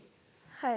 はい。